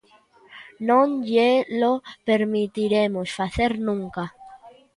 Non llelo permitiremos facer nunca.